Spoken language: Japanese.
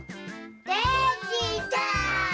できた！